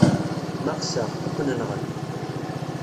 Ma ɣseɣ, ad ken-nɣen.